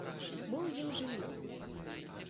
Мы ў ім жылі.